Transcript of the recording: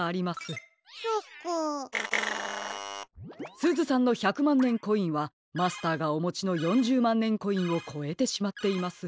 すずさんの１００まんねんコインはマスターがおもちの４０まんねんコインをこえてしまっています。